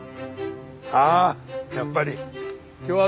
ああやっぱり今日はどうも。